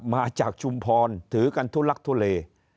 มาจากชุมพรถือกันทุลักทุเล